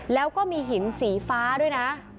แล้วก็มีหินสีฟ้าด้วยนะ